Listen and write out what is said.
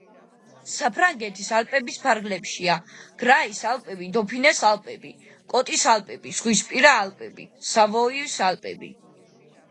საფრანგეთის ალპების ფარგლებშია: გრაის ალპები, დოფინეს ალპები, კოტის ალპები, ზღვისპირა ალპები, სავოიის ალპები.